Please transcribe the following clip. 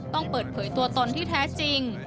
ต้องเปิดเผยตัวตนที่แท้จริง